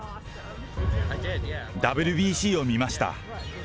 ＷＢＣを見ました。